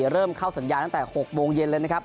เริ่มเข้าสัญญาณตั้งแต่๖โมงเย็นเลยนะครับ